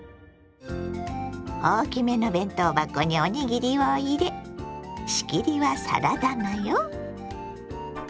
大きめの弁当箱におにぎりを入れ仕切りはサラダ菜よ。